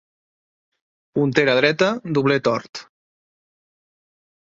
Puntera dreta, dobler tort.